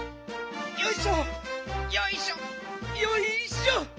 よいしょよいしょよいしょ！